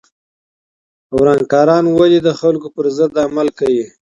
ورانکاران ولې د خلکو پر ضد عمل کوي؟